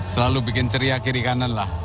selalu bikin ceria kiri kanan lah